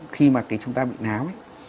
khi mà chúng ta bị nám